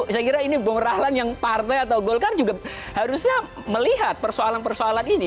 saya kira ini bung rahlan yang partai atau golkar juga harusnya melihat persoalan persoalan ini